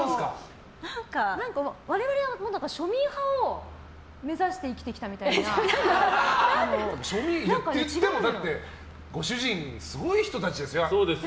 我々は庶民派を目指して生きてきたみたいな。って言ってもご主人すごい人たちですよ